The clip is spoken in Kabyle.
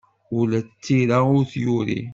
Ula d tira ur t-yuri.